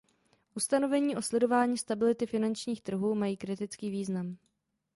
Ustanovení o sledování stability finančních trhů mají kritický význam.